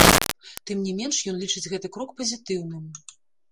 Тым не менш, ён лічыць гэты крок пазітыўным.